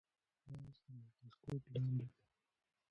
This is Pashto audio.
مغز د مایکروسکوپ لاندې دی.